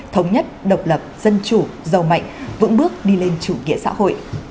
thống nhất độc lập dân chủ giàu mạnh vững bước đi lên chủ nghĩa xã hội